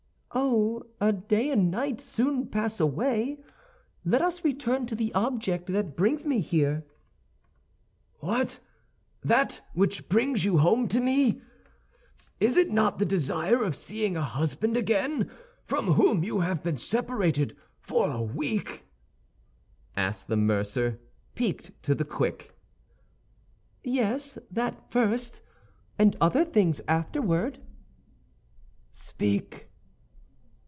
"Oh, a day and night soon pass away. Let us return to the object that brings me here." "What, that which brings you home to me? Is it not the desire of seeing a husband again from whom you have been separated for a week?" asked the mercer, piqued to the quick. "Yes, that first, and other things afterward." "Speak."